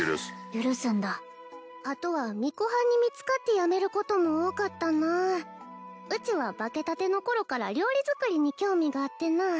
許すんだあとは巫女はんに見つかって辞めることも多かったなうちは化けたての頃から料理作りに興味があってな